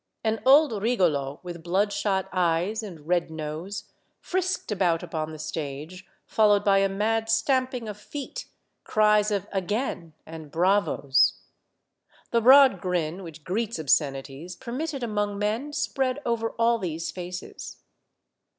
An old rigolo with bloodshot eyes and red nose frisked about upon the stage, followed by a mad stamping of i Each for himself. 170 ^ Monday Tales, feet, cries of " Again !" and bravos. The broad grin which greets obscenities permitted among men spread over all these faces.